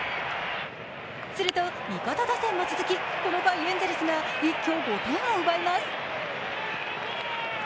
すると、味方打線も続き、この回エンゼルスが一挙５点を奪います。